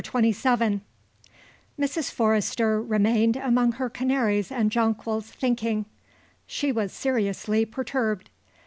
CHAPTER XXVII Mrs. Forrester remained among her canaries and jonquils, thinking. She was seriously perturbed.